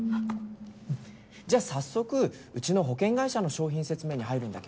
じゃ早速うちの保険会社の商品説明に入るんだけど。